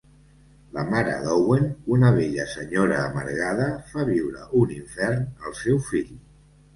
La mare d'Owen, una vella senyora amargada fa viure un infern al seu fill.